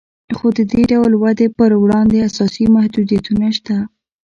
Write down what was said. خو د دې ډول ودې پر وړاندې اساسي محدودیتونه شته